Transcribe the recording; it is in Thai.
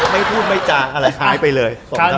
ไม่พูดไม่จากท้ายไปเลย